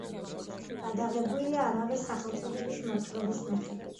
გადაღებულია ამავე სახელწოდების მოთხრობის მიხედვით.